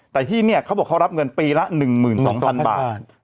แต่ที่นี่เขาบอกเขารับเงินปีละ๑๒๐๐๐บาท